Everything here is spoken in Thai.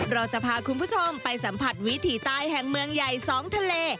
เราจะพาคุณผู้ชมไปสัมผัสวิถีใต้แห่งเมืองใหญ่สองทะเล